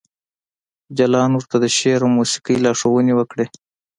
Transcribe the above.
جلان ورته د شعر او موسیقۍ لارښوونې وکړې